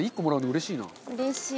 うれしい。